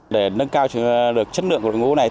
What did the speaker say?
để nâng cao được chất lượng đội ngũ này